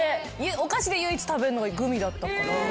お菓子で唯一食べるのがグミだったから。